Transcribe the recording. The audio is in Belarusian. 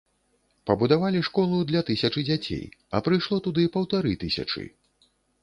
Пабудавалі школу для тысячы дзяцей, а прыйшло туды паўтары тысячы.